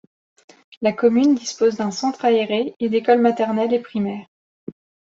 La commune dispose d'un centre aéré et d'écoles maternelle et primaire.